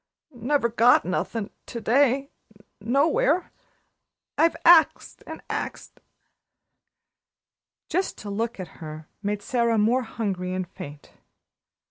Never got nothin' to day nowhere. I've axed and axed." Just to look at her made Sara more hungry and faint.